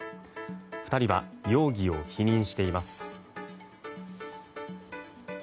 ２人は容疑を否認しています。